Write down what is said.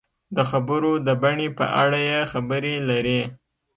د خبرو د بڼې په اړه یې خبرې لري.